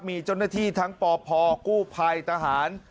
มีจนที่ทั้งป่อพอกู้ภัยทหาร